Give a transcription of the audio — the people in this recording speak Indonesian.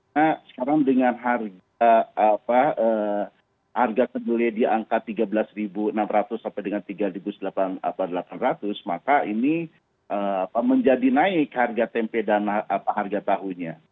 nah sekarang dengan harga kedelai di angka tiga belas enam ratus sampai dengan tiga delapan ratus maka ini menjadi naik harga tempe dan harga tahunya